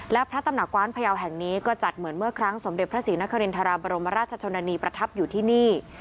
และพระตำหนักกว้านพยาวแห่งนี้ก็จัดเหมือนเมื่อครั้งสมเด็จพระศรีนครินทราบรมราชชนนานีประทับอยู่ที่นี่